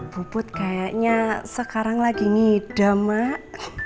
puput kayaknya sekarang lagi ngida mak